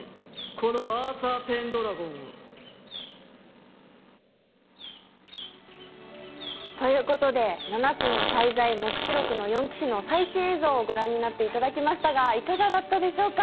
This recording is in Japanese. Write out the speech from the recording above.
このアーサー・ペンドラゴンをということで「七つの大罪黙示録の四騎士」の最新映像をご覧になっていただきましたがいかがだったでしょうか？